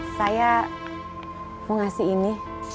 saya mau ngasih ini